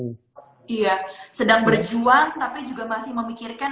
saya yakin pada saat itu dia sudah sedang sakit kemarin ini